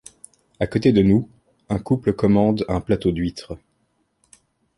À côté de nous, un couple commande un plateau d’huîtres.